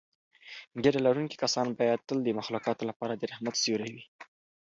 ږیره لرونکي کسان باید تل د مخلوقاتو لپاره د رحمت سیوری وي.